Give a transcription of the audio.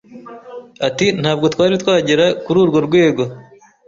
Ati Ntabwo twari twagera kuri urwo rwego